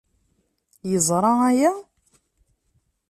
Yeẓra aya?